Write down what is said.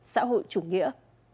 xã hội chủ nghĩa